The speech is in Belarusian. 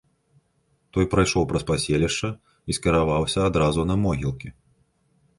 Той прайшоў праз паселішча і скіраваўся адразу на могілкі.